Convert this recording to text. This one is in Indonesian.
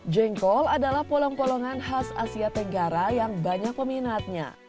jengkol adalah polong polongan khas asia tenggara yang banyak peminatnya